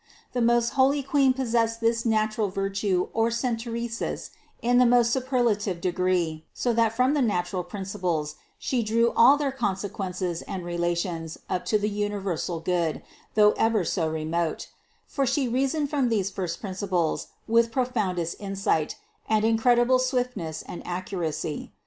The most holy Queen possessed this natural virtue or synteresis in the most superlative degree, so that from the natural principles She drew all their consequences and relations up to the universal Good, though ever so remote ; for She reasoned from these first principles with profoundest insight, and incredible swift ness and accuracy.